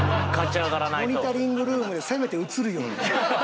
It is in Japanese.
モニタリングルームでせめて映るように。